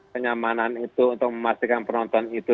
kenyamanan itu untuk memastikan penonton itu